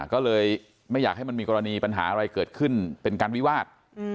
ก็เลยไม่อยากให้มันมีกรณีปัญหาอะไรเกิดขึ้นเป็นการวิวาส